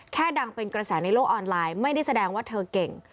ดังเป็นกระแสในโลกออนไลน์ไม่ได้แสดงว่าเธอเก่ง